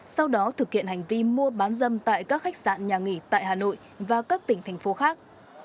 sau đó thực hiện hành vi mua bán dâm tại các khách sạn nhà nghỉ tại hà nội và các tỉnh thành phố khác